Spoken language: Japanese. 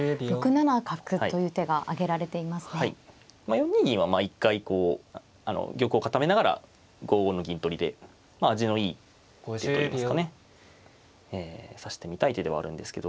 ４二銀は一回こう玉を固めながら５五の銀取りで味のいい手といいますかね指してみたい手ではあるんですけど。